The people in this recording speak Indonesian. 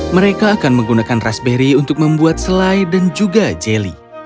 mereka akan menggunakan raspberry untuk membuat selai dan juga jelly